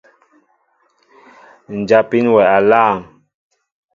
Njapin wɛ aláaŋ.